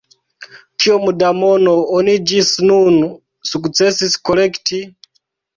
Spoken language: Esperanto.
Kiom da mono oni ĝis nun sukcesis kolekti?